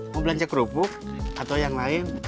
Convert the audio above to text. mau belanja kerupuk atau yang lain